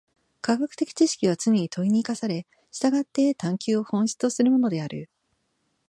科学的知識はつねに問に生かされ、従って探求を本質とするものである。